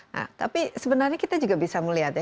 nah tapi sebenarnya kita juga bisa melihat ya